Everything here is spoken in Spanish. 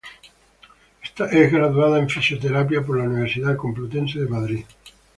Es graduada en fisioterapia por la Universidad Complutense de Madrid.